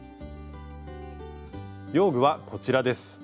用具はこちらです。